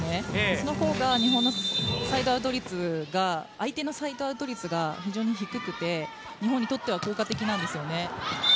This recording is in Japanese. その方が相手のサイドアウト率が非常に低くて日本にとっては効果的なんですよね。